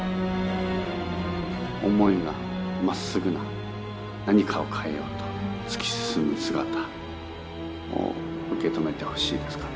思いがまっすぐな何かを変えようと突き進む姿を受け止めてほしいですかね。